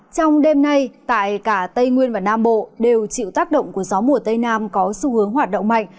trong đêm nay tại cả tây nguyên và nam bộ đều chịu tác động của gió mùa tây nam có xu hướng hoạt động mạnh